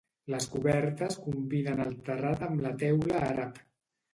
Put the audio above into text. Les cobertes combinen el terrat amb la teula àrab.